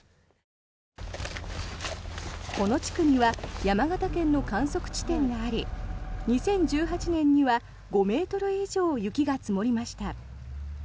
この地区には山形県の観測地点があり２０１８年には５ｍ以上雪が積もりました。